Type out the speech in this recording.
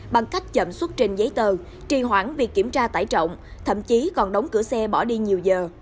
bằng cách chậm xuất trên giấy tờ trì hoãn việc kiểm tra tải trọng thậm chí còn đóng cửa xe bỏ đi nhiều giờ